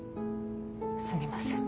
すみません。